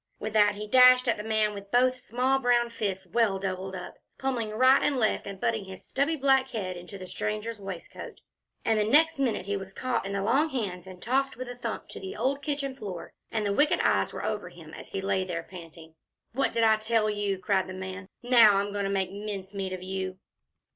With that he dashed at the man with both small brown fists well doubled up, pommelling right and left, and butting his stubby black head into the stranger's waistcoat. And the next minute he was caught in the long hands and tossed with a thump to the old kitchen floor, and the wicked eyes were over him as he lay there panting. "What did I tell you!" cried the man. "Now I'm going to make mincemeat of you."